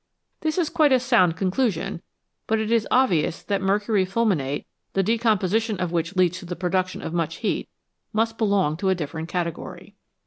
This is quite a sound conclusion, but it is obvious that mercury fulminate, the decomposition of which leads to the produc tion of much heat, must belong to a different category.